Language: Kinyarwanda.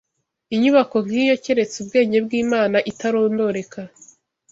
inyubako nk’iyo keretse ubwenge bw’Imana itarondoreka